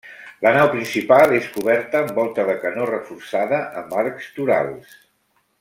La nau principal és coberta amb volta de canó reforçada amb arcs torals.